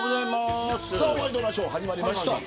ワイドナショー始まりました。